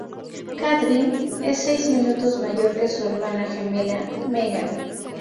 Kathryn es seis minutos mayor que su hermana gemela Megan.